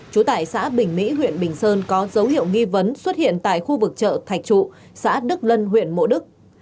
trú tại xã bình mỹ huyện bình sơn có dấu hiệu nghi vấn xuất hiện tại khu vực chợ thạch trụ xã đức lân huyện mộ đức